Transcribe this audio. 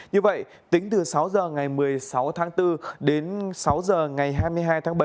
như vậy tính từ sáu h ngày một mươi sáu tháng bốn đến sáu h ngày hai mươi hai tháng bảy